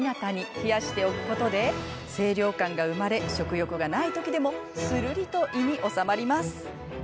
冷やしておくことで清涼感が生まれ食欲がない時でもするりと胃に収まります。